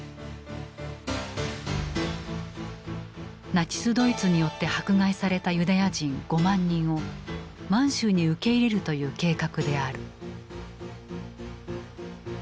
ナチス・ドイツによって迫害されたユダヤ人５万人を満州に受け入れるという計画である。